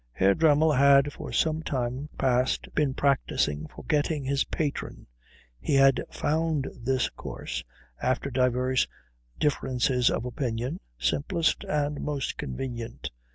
Herr Dremmel had for some time past been practising forgetting his patron. He had found this course, after divers differences of opinion, simplest and most convenient.